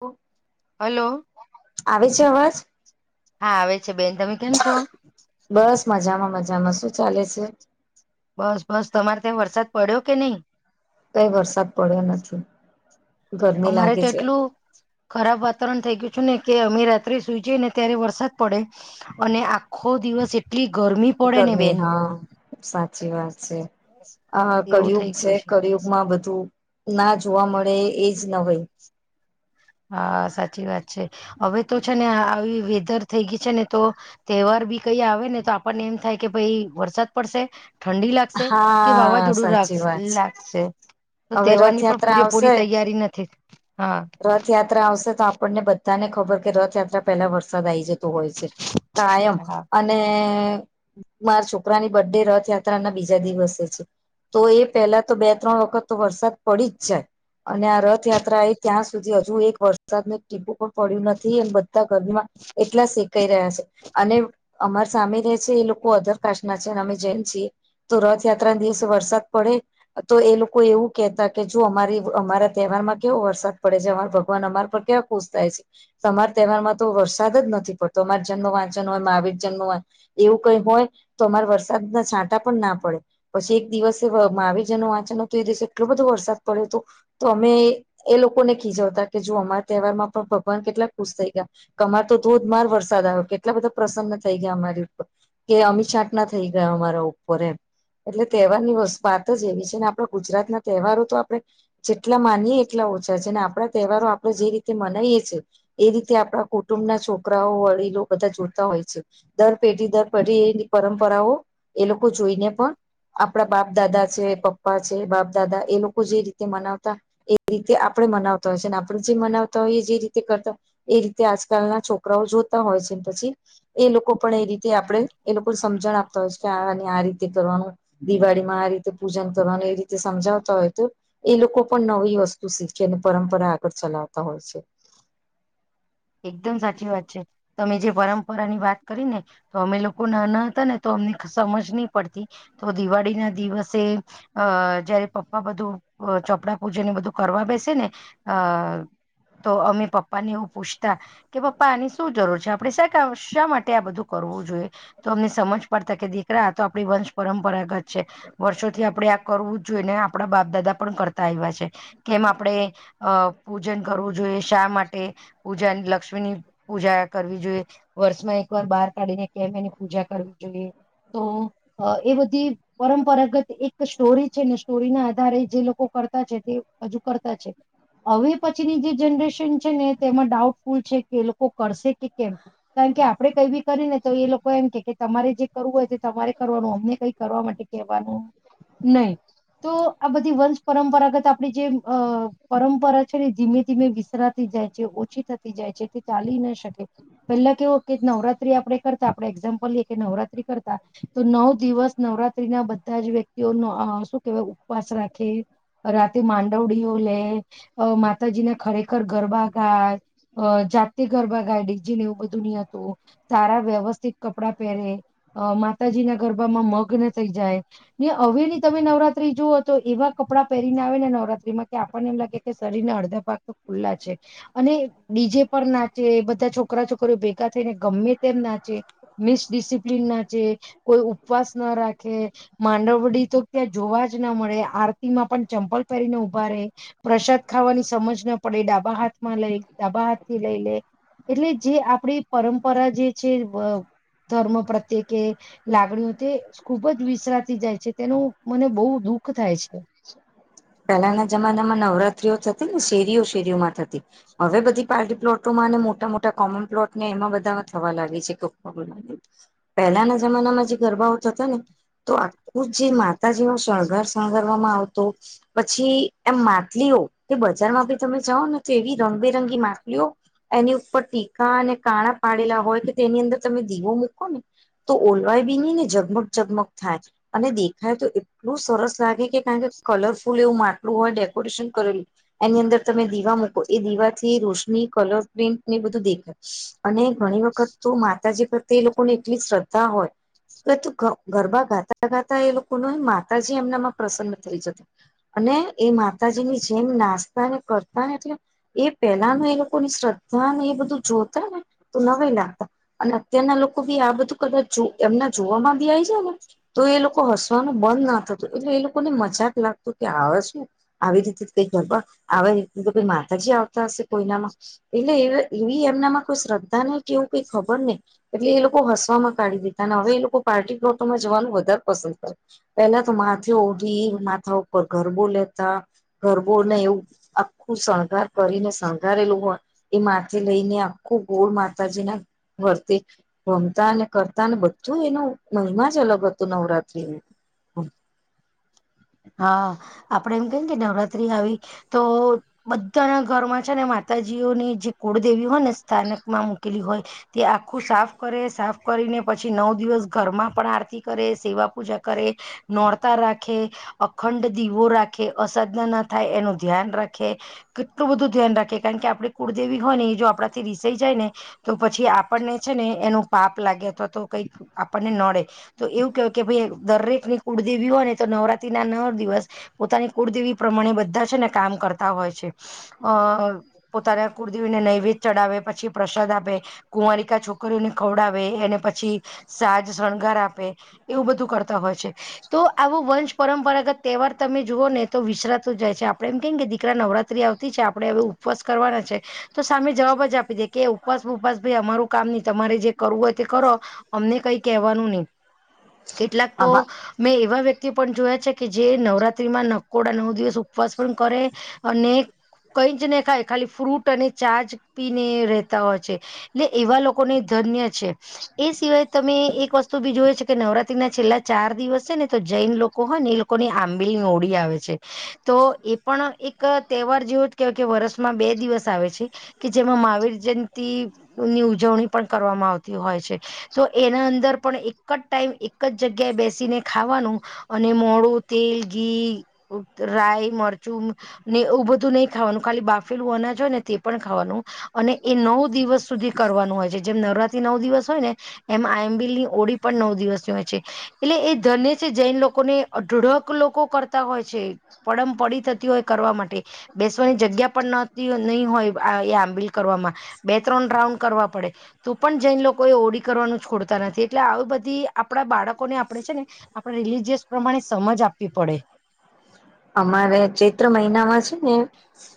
Okay hello આવે છે અવાજ હા આવે છે બેન તમે કેમ છો બસ મજામાં મજામાં શું ચાલે છે બસ બસ તમારે ત્યાં વરસાદ પડ્યો કે નહી કઈ વરસાદ પડ્યો નથી ગરમી અમારે લાગે તો છે. એટલું ખરાબ વાતાવરણ થઇ ગયું ને કે અમે રાત્રે સુઈ જઈને ત્યારે વરસાદ પડે અને આખો દિવસ એટલી ગરમી પડે ને ગરમી બેન હા સાચી વાત છે આ એવું કળિયુગ થઈ છે ગયું કળિયુગ માં બધું ના જોવા મળે એજ ન હોય હા સાચી વાત છે હવે તો છે ને આવી ધર થઈ ગઈ છે ને તો તહેવાર બી કઈ આવેને તો આપણને એમ થાય કે ભાઈ વરસાદ પડશે ઠંડી લાગશે કે હા વાવાઝોડું રા સાચી વાત છે. લાગશે તો હવે તહેવારની પણ રથયાત્રા આવશે પૂરેપૂરી તૈયારી નથી હા રથયાત્રા આવશે તો આપણને બધાને ખબર કે રથયાત્રા પેલા વરસાદ આવી જશે હોય છે કાયમ હા અને મારા છોકરાની બર્થડે રથયાત્રા ના બીજા દિવસે છે તો એ પહેલા તો બે ત્રણ વખત તો વરસાદ પડી જ જાય અને આ રથયાત્રા એ ત્યાં સુધી હજુ એક વરસાદનું ટીપુ પણ પડ્યું નથી અને બધા ગરમીમાં એટલા કઈ રહ્યા છે અને અમાર સામે રહે છે એ લોકો અધર કાસ્ટ ના છે અમે જૈન છીએ તો રથયાત્રા ના દિવસે વરસાદ પડે તો એ લોકો એવું કેહેતા કે જો અમારી અમારા તહેવાર માં કેવું વરસાદ પડે છે અમાર ભગવાન અમાર પર કેવા ખુશ થાય છે તમારા તહેવારમાં તો વરસાદ જ નથી પડતો અમારા જન્મ [unintelligible] મહાવીર જન્મ હોય એવું કઈ હોય તો અમારે વરસાદ ના છાંટા પણ ના પડે પછી એક દિવસે [unintelligible] હતો એ દિવસે એટલો બધો વરસાદ પડ્યો હતો તો અમે એ લોકો લોકોને ખીજવતા કે જો અમારા તહેવારમાં પણ ભગવાન કેટલાક ખુશ થઈ ગયા અમાર તો ધોધમાર વરસાદ આવ્યો કેટલા બધા પ્રસન્ન થઈ ગયા અમારી ઉપર કે અમી ચાંટ ના થઈ ગયા અમારા ઉપર એમ એટલે તહેવાર ની [unintelligible] એવી છેને આપ ગુજરાતના તહેવારો તો આપણે જેટલા માનીએ એટલા હોય છેને આપણા તહેવારો આપડે જે રીતે મનાઈએ છે એ રીતે આપણા કુટુંબ ના છોકરાઓ વડીલો બધા જોતા હોય છે દ પેટી દર પઢી એની પરંપરાઓ એ લોકો જોઈને પણ આપણા બાપ દાદા છે, પપ્પા છે બાપ દાદા એ લોકો જે રીતે મનાવતા એ તે આપણે મનાવતા હોય છે ને આપણે જે મનાવતા હોય એ જે રીતે કરતા હોય એ રીતે આજકાલના છોકરાઓ જોતા હોય હોય છે પછી એ લોકો પણ એ રીતે આપણે એ લોકોને સમજણ આપતા હોય છે કે આ આ રીતે કરવાનું દિવાળી માં આ રીતે પૂજન કરવાનું એ રીતે સમજાવતા હોય તો એ લોકો પણ નવી વસ્તુ તુ શીખે અને પરંપરા આગળ ચલાવતા હોય છે એકદમ સાચી વાત છે તમે જે પરંપરા ની વાત કરી ને તો અમે લોકો નાના હતા ને તો અમને સમજ નહી પડતી તો દિવાળી ના દિવસે અ જયારે પપ્પા બધું ચોપડા પૂજન એ બધું કરવા બેસે ને અ તો અમે પપ્પા ને એવું પૂછ તા કે પપ્પા આની શું જરૂર છે આપડે શા ક શા માટે આ બધું કરવું જોઈએ તો અમને સમજ પડતા કે દીકરા આ તો આપણી વંશ પરંપરાગત છે વર્ષોથી આપડે આ કરવું જોઈને આપડા બાપ દાદા પણ કરતા આવ્યા છે કેમ આપડણે પૂજન કરવું જોઈએ શા માટે પૂજા લક્ષ્મી ની પૂજા કરવી જોઈએ વર્ષમાં એક વાર બહાર કાઢીને કેમ એની પૂજા કરવી જોઈએ હ તો એ બધી પરંપરાગત એક સ્ટોરી છે ને સ્ટોરી ના આધારે જે લોકો કરતા છે તે હજુ કરતા છે હવે પછીની જે જનરેશન છે ને તેમાં ડાઉટફુલ છે કે એ લોકો કરશે કે કેમ કારણ કે આપડણે કઈ બી કરી ને તો એ લોકો એમ કે તમારે જે કરવું હોય તે તમારે કરવાનું અમને કઈ કરવા માટે કેવાનું નહી તો આ બધી વંશ પરંપરાગત આપણી જે અ પરંપરા છે ને ધીમે ધીમે વિસરાતી જાય જે ઓછી થતી જાય છે તે ચાલી ના શકે પેલા કેવો કે નવરાત્રી આપડે કરતા આપડે એક્ઝામપ કે નવરાત્રી કરતા તો નવ દિવસ નવરાત્રી ના બધા જ વ્યક્તિઓ શું કેવાય ઉપવાસ રાખે રાતે માંડવડીઓ લે માતાજીને ખરેખર ગરબા જાતિ ગરબા ગાય ડેજીને એવું બધું નની હતું સારા વ્યવસ્થિત કપડા પહેરે માતાજી ના ગરબામાં મગ્ન થઈ જાય ને હવે તમે નવરાત્રી જુઓ તો એવા કપડાં પહેરીને આવે ને નવરાત્રીમાં કે આપણને એમ લાગે કે શર ના અડધા ભાગ તો ખુલ્લા છે અને બડીજે પણ નાચે બધા છોકરા છોકરા ભેગા થઈને ગમે તેમ ના છે મિસડિસિપ્લન નાચ કોઈ ઉપવાસ ના રાખે માંડવડી તો ત્યાં જોવા જ ના મળે આરતી માં પણ ચંપલ પહેરીને ઉભા પ્રસાદ ખાવાની સમજ ના પડે ડાબા હાથ લઈ ડાબા હાથ થી લઈ લે એટલે જે આપડી પરંપરા જે છે ધર્મ પ્રત્યેકે લાગણી હોતી ખુબ જ વિસરાતી જાય છે તેનું મને બહુ દુઃખ થાય છે. પહેલાના જમાનામાં નવરાત્રીઓ થતી ને શેરીઓ શેરીઓમાં થતી હવે બધી પાર્ટી પ્લોટોમાં અને મોટા મોટા કોમન પ્લોટ ને એમાં બધામાં થવા લાગે છે પહેલાના જમાનામાં જે ગરબાઓ થતા ને તો આખું જે માતા જેવા સહગાર આવ પછી એમ માટલીઓ કે બજારમાં ભી તમે જાઓ ને તો એવી રંગબેર િરંગી માપલીઓ એની ઉપર ટીકા અને કાણા પાડેલા હોય કે તેની અંદર તમે દીવો મૂકો ને તો ઓલવાય બીની ને ઝગમગ ઝગમગ થાય અને દેખાય તો એટલું સરસ લાગે કેણ કે કલરફુલ એવું માટલું હોય ડેકોરેશન કરેલું એની અંદર તમે દીવા મકો એ દીવા થી રોશની કલર પ્રિન્ટ ને બધું દેખાય અને ઘણી વખત તો માતાજી પ્રત્યે લોકો એટલી શ્રદ્ધા હોય પર ગરબા ગાતા ગાતા એ લોકો ન માતાજી એમનામાં પ્રસન્ન થઈ જત અને એ માતાજીની જેમ નાસ્તા ને કરતા ને એટલે એ પેલા ન એ લોકો ની શ્રદ્ધા ને એ બધું જોતા ને તો નવાઇ લાગતા અને અત્યારના લોકો બી આ બધું કદાચ એમના જોમાં બી આવીઈ જ ને તો એ લોકો હસવાનું બંધ ના થતું એટલે એ લોકો ને મજાક લાગતુ કે આ વળી શું આવી રીતે કઈબી માતાજી આવતા હશે કોઈનામાં એટલે એવી એમનામાં કોઈ શ્રદ્ધા ને કેવું કઈ ખબર નહ એટલે એ લોકો હસવામાં કાઢી દીધા ને હવે એ લોકો પાર્ટી પ્લોટમાં જવાનું પસંદ કરે પેલા તો માથે ઓ માથા ઉપર ગરબો લેતા ગરબોને એવું આખું શણગાર કરીને શણંગારેલું હોય એ માથે લઈને આખું ગોળ માતાજીના વર્તી રમતા અને કરતા અને બધું એનો મહિમા જ અલગ હત તો નવરાત્રી હા આપડે એમ કે નવરાત્રી આવી તો બધાના ઘરમાં છે ને મા માતાજીઓની જે કુળદેવી હોય ને સ્થાનક માં મુૂકેલી હોય તે આખું સાફ કરે સાફ કરી ને પછી નવ દિવસ ઘરમાં પણ આરતી કરે સેવા પૂજા કરે નોરતા રાખે અખંડ દીવો રાખે અસાધના ના થાય એનું ધ્યાન રાખે કેટલું બધું ધ્યાન રાખે કારણ કે આપે કુળદેવી હોય ને એ જો આપડાથી રીસાઈ જાય ને તો પછી આપણને છે ને એનું પાપ લાગે અથવા તો કઈક આપણને નડે તો એવું કેવય કે ભાઈ દરેક ની કુળદેવી હોય ને તો નવરાત્રી ના નવ દિવસ પોતાની કુળદેવી પ્રમાણે બધા ને કામ કરતા હોય છે અ પોતાના કૂળદેવીને નૈવેદ ચડાવે પછી પ્રસાદ આપે કુંવારિકા છોકરીઓને ખવડાવે એને પછી સાજ શણગાર આપે એવું બધું કરતા હોય છે તો આવો વંશ પરંપરાગત તહેવાર તમે જુઓ ને તો વિશરાતો જાય છે આપણે એમ કેમ કે દીકરા નવરાત્રી આવતી છે આપણે હવે ઉપવાસ કરવાના છે તો સામે જવાબ જ આપી દે કે ઉપવાસ બુપવાસ ભાઈ અમારું કામ નહી તમારે જે કરવું હોય તે કરો અમને કઈ કેવાનું નહી કેટલાક તો મેં એવા વ્યક્તિ પણ જોયા છે કે જે નવરાત્રીમાં નકોડા નવ દિવસ ઉપવાસ પણ કરે અને કઈ જ નહી ખાય ખાલી ફ્રૂટ અને ચા જ પીને રહેતા હોય છે એટલે એવા લોકોને ધન્ય છે એ સિવાય તમે એક વસ્તુ બી જોય છે કે નવરાત્રી ના છેલ્લા ચાર દિવસ છે ને તો જૈન લોકો હ નીલ લોકો ની આંબીલની ઓળી આવે છે તો એ પણ એક તહેવાર જેવો જ કેવાય કે વરષમાં બે દિવસ આવે છે કે જેમાં મહાવીર જયંતિ ની ઉજવણી પણ કરવામાં આવતી હોય છે તો એના અંદર પણ એક જ ટાઈમ એક જ જગ્યાએ બેસીને ખાવાનું અને મોડું તેલ ઘી રાય મરચ બધું નહી ખાવાનું ખાલી બાફેલું અનાજ હોય ને તે પણ ખાવાનું અને એ નવ દિવ દિવસ સુધી કરવાનું હોય છે જેમ નવરાત નવ દિવસ હોય ને એમ આમબીલની ઓળ પણ નવ દિવસની હોય છે એટલે એ ધન્ય છે જૈન લોકોને અઢળક લોકો કરતા હોય છે પડમ પડી થતી હોય કરવા માટે બેસવાની જગ્યા પણ નતી નહી હોય બે ત્રણ રાઉન્ડ કરવા પડે તો પણ જઈને લોકો એ ઓડી કરવાનું છોડતા નથી એટલે આવી બધું આપણા બાળકોને આપણે છે ને આપ રિલીજીયસ પ્રમાણે સમજ આપ અમારે ચૈત્ર મહિનામાં છે ને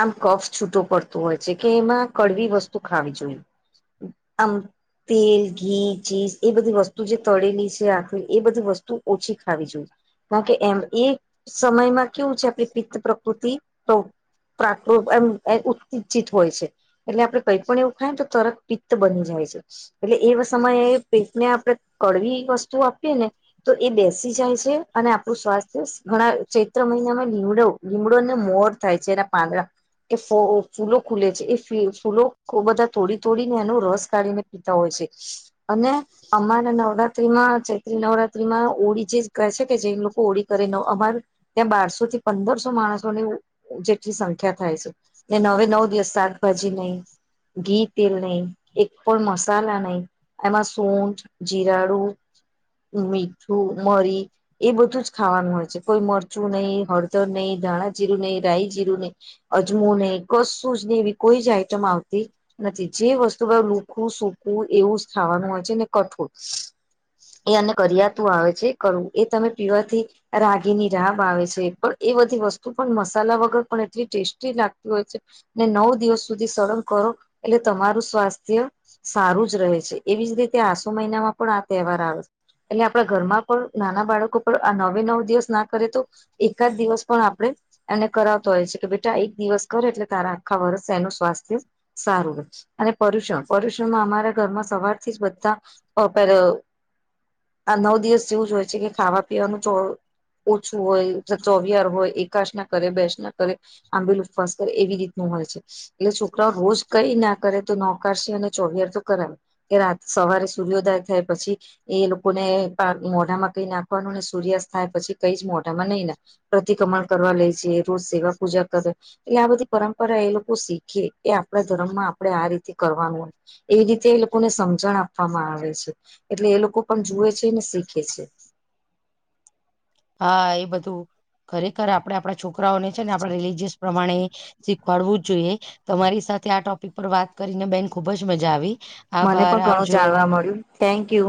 આમ કફ છૂટો પડતો હોય છે કે એમાં કડવી વસ્તુ ખાવી જોઈએ આમ તેલ ઘી ચીજ એ બધી વસ્તુ જે તળેલી છે આખી એ બધી વસ્તુ ઓછી ખાવી જોું કારણ કે એમ એ સમયમાં કેવું છે આપણી પ પ્રકૃતિ તો પ્રામ ઉત્તેજિત હોય છે એટલે આપડે કંઈ પણ એવું ખાય ને તો તરક પિત્ત બની જાય એટલે એ સમયે પેટને આપણે કડવી વસ્તુ આપીએ ને તો એ બેસી જાય છે અને આપણું સ્વાસ્થ્ય. ઘણા ચૈત્ર મહિનામાં લીમડો લીમડોને મોર થાય છે એ પાંદડા કે ફૂલો ખુલે છે એ ફૂલો બધા તોડી તોડીને એનો રસ કાઢીને પીતા હોય છે. [inaudible] અને અમારા નવરાત્રીમાં ચૈત્રી નવરાત્રી માં ઓળી જે કહે છે કે જે લોકો ઓળી કરીને અમારે ત્યાં બારસો થી પંદરસો માણસોને. જેટલી સંખ્યા થાય છે હવે નવ દિવસ શાકભાજી નહી. ઘી તેલ નહીિ એક પણ મસાલા નહી એમાં સૂટ જીરાડું મીઠું મરી એ બધું જ. ખાવાનું હોય છે કોઈ મરચું નહીિ હળદર નહીિ ધાણાજીીરું નહીિ રઈજીીરું નહીિ અજમું નહિ. કશું જ ને એવી કોઈ જ આઈટમ આવતી નથી જે વસ્તુ બ લુખું સૂકું એવું ખાવાનું હોય છે ને કઠોળ એ અને કરિયાતું આવે છે કરું એ તમે પીવાથી રાગીની રાબ આવે છે પણ એ બધી વસ્તુ પણ મસાલા વગર પણ એટલી ટેસ્ટી લાગતી હોય ને નવ દિવસ સુધી સળંગ કરો એટલે તમારું સ્વાસ્થ્ય સારું જ રહે છે એવી જ રીતે આસુ મહિનામાં પણ આ તહેવાર આવે એટલે આપણા ઘરમાં પણ નાના બાળકો પણ આ ન હવે નવ દિવસ ના કરે તો એકાદ દિવસ પણ આપડે એમને કરાવતો હોય છે કે બેટા એક દિવસ કરે એલે તારા આખા વર્ષ એનું સ્વાસ્થ્ય સારું અને પર્યુષણ પર્યુષણમાં અમારા ઘરમાં સવાર થી બધા આ નવ દિવસ જેવું જ હોય છે કે ખાવા પીવાનું ચો હ ઓછું હોય ચોવિયાર હોય એકાાસ ના કરે બેસ ના કરે આંબેલ ઉપવાસ કરે એવી રીતનું હોય એટલે છોકરાઓ રોજ કઈ ના કરે તો નોકારશે અને ચોરયાર તો કરાવે એ રાત સવાર સૂર્યોદય થાય પછી એ લોકોને મોઢામાં કઈ નાખવાનું સૂર્યાસ્ત થાય પછી કઈ જ મોટામાં નહી પ્રતિકમણ કરવા લે છે સેવા પૂજા કરે એટલે આ બધી પરંપરા એ લોકો શીખે એ આપણા ધર્મ માં આપડે આ રીતે કરવાનું હો એવી રીતે એ લોકોને સમ સમજણ આપવામાં આવે છે એટલે એ લોકો પણ જુએ છે ને શીખે છે [unintelligible] હા એ બધું ખરેખર આપડે આપડા છોકરાઓને છે ને આપડા રિલીજીયસ પ્રમાણે શીખવાડવું જ જોઈએ તમારી સાથે આ ટોપિક પર વાત કરીને બેન ખુબ જ મજા આવી મને આભાર પણ ઘણું આવજો જાણવા મળ્યું થેન્ક યુ